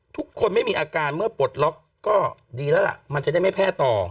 ทุกคนไม่มีอาการเมื่อปลดล็อกก็ดีแล้วล่ะมันจะได้ไม่แพร่ต่อ